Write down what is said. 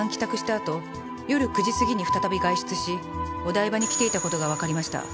あと夜９時過ぎに再び外出しお台場に来ていた事がわかりました。